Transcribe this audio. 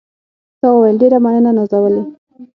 تا وویل: ډېره مننه نازولې.